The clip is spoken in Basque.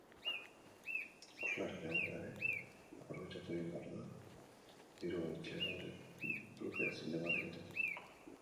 Ikuslearen eguna ere aprobetxatu egin behar da diru gutxiagoren truke zinemara joateko.